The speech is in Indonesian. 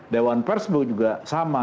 dewan persbu juga sama